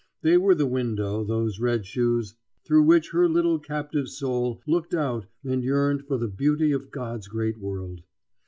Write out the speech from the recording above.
They were the window, those red shoes, through which her little captive soul looked out and yearned for the beauty of God's great world.